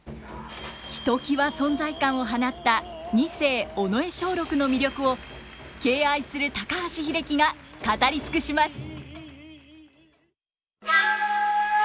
ひときわ存在感を放った二世尾上松緑の魅力を敬愛する高橋英樹が語りつくします。